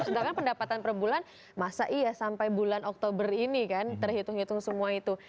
sedangkan pendapatan per bulan masa iya sampai bulan oktober ini kan terhitung hitung semua itu